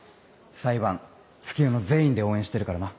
裁判月夜野全員で応援してるからな。